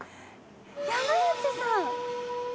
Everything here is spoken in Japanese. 山内さん。